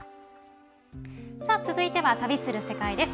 続いては「旅する世界」です。